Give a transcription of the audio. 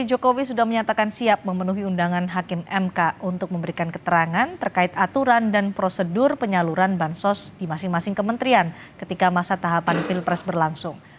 jokowi sudah menyatakan siap memenuhi undangan hakim mk untuk memberikan keterangan terkait aturan dan prosedur penyaluran bansos di masing masing kementerian ketika masa tahapan pilpres berlangsung